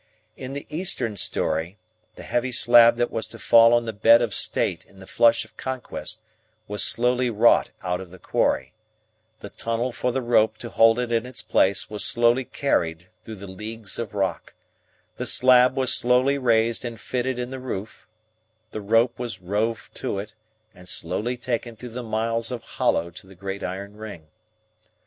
In the Eastern story, the heavy slab that was to fall on the bed of state in the flush of conquest was slowly wrought out of the quarry, the tunnel for the rope to hold it in its place was slowly carried through the leagues of rock, the slab was slowly raised and fitted in the roof, the rope was rove to it and slowly taken through the miles of hollow to the great iron ring.